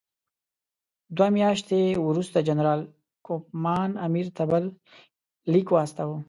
دوه میاشتې وروسته جنرال کوفمان امیر ته بل لیک واستاوه.